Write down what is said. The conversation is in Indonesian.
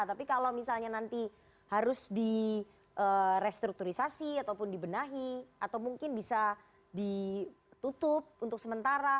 tapi kalau misalnya nanti harus di restrukturisasi ataupun dibenahi atau mungkin bisa ditutup untuk sementara